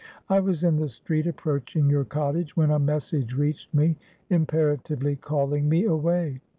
I was in the street approaching your cottage, when a message reached me, imperatively calling me away.